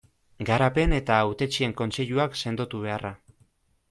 Garapen eta Hautetsien kontseiluak sendotu beharra.